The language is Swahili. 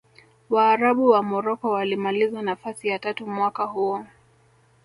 waarabu wa morocco walimaliza nafasi ya tatu mwaka huo